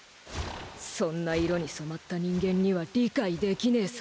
そんな色に染まった人間には理解できねェさ。